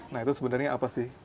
nah itu sebenarnya apa sih